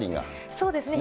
そうですね。